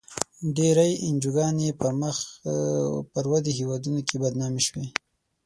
ډېری انجوګانې په مخ پر ودې هېوادونو کې بدنامې شوې.